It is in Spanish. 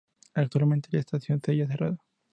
Actualmente la estación se halla cerrada.